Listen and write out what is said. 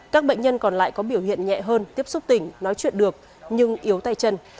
các bệnh nhân còn lại có biểu hiện nhẹ hơn tiếp xúc tỉnh nói chuyện được nhưng yếu tay chân